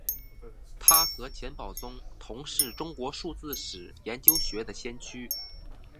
他和钱宝琮同是中国数学史研究的先驱。